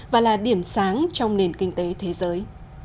và là điểm sáng trong nền kinh tế thế giới